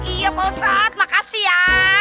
iya ustadz makasih ya